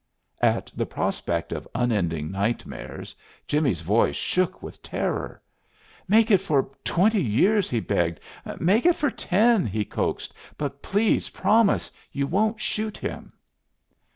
At the prospect of unending nightmares Jimmie's voice shook with terror. "Make it for twenty years," he begged. "Make it for ten," he coaxed, "but, please, promise you won't shoot him."